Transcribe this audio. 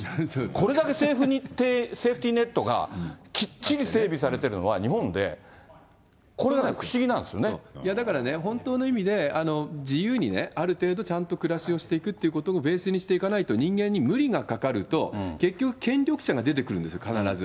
これだけセーフティーネットがきっちり整備されてるのは日本で、だからね、本当の意味で自由にね、ある程度ちゃんと暮らしをしていくってことをベースにしていかないと、人間に無理がかかると、結局、権力者が出てくるんですよ、必ず。